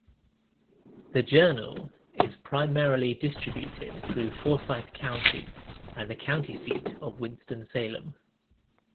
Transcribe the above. "The Journal" is primarily distributed through Forsyth County and the county seat of Winston-Salem.